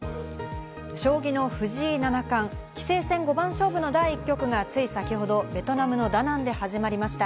将棋の藤井七冠、棋聖戦五番勝負の第１局がつい先ほど、ベトナムのダナンで始まりました。